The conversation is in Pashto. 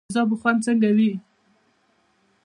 د تیزابو خوند څنګه وي.